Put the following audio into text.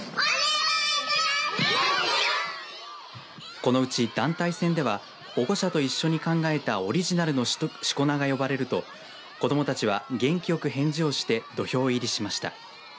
このうち団体戦では保護者と一緒に考えたオリジナルのしこ名が呼ばれると子どもたちは元気よく返事をして土俵入りしました。